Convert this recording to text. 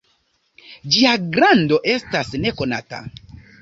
Ĝia grando estas nekonata.